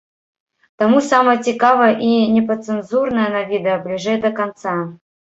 Таму самае цікавае і непадцэнзурнае на відэа бліжэй да канца.